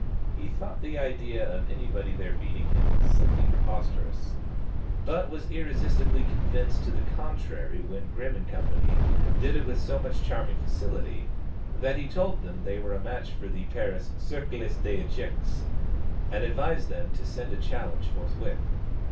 He thought the idea of anybody there beating him, simply preposterous; but was irresistibly convinced to the contrary when Grimm & Co. did it with so much charming facility, that he told them they were a match for the Paris Cercle des Echecs, and advised them to send a challenge forthwith.